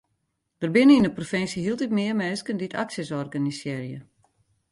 Der binne yn de provinsje hieltyd mear minsken dy't aksjes organisearje.